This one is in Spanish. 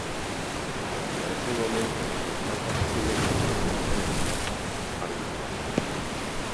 Hasta ese momento los mapas chilenos seguían al mapa arbitral.